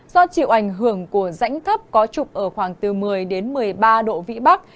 do chịu ảnh hưởng của rãnh thấp có trục ở khoảng từ một mươi đến một mươi ba độ vĩ bắc